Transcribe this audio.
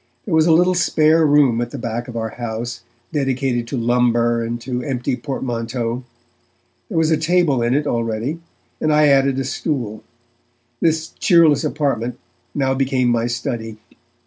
There was a little spare room at the back of our house, dedicated to lumber and to empty portmanteaux. There was a table in it already, and I added a stool; this cheerless apartment now became my study.